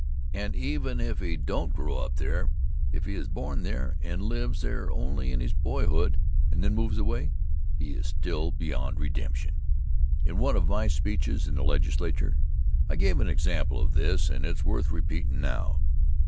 And even if he don't grow up there; if he is born there and lives there only in his boyhood and then moves away, he is still beyond redemption. In one of my speeches in the Legislature, I gave an example of this, and it's worth repeatin' now.